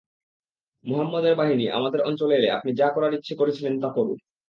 মুহাম্মদের বাহিনী আমাদের অঞ্চলে এলে আপনি যা করার ইচ্ছে করেছিলেন তা করুন।